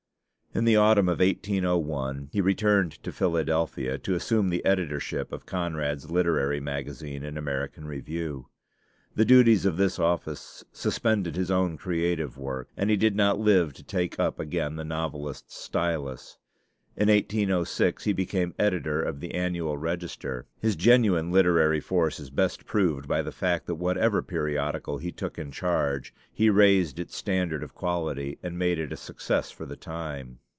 In the autumn of 1801 he returned to Philadelphia, to assume the editorship of Conrad's Literary Magazine and American Review. The duties of this office suspended his own creative work, and he did not live to take up again the novelist's stylus. In 1806 he became editor of the Annual Register. His genuine literary force is best proved by the fact that whatever periodical he took in charge, he raised its standard of quality and made it a success for the time.